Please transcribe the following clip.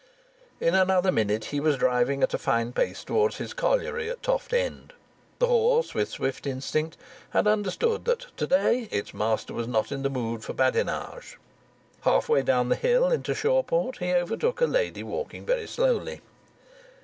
In another minute he was driving at a fine pace towards his colliery at Toft End. The horse, with swift instinct, had understood that to day its master was not in the mood for badinage. Half way down the hill into Shawport he overtook a lady walking very slowly.